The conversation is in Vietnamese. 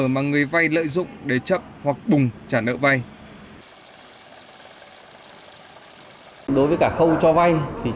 mà người vai lợi dụng để chậm hoặc bùng trả nợ vai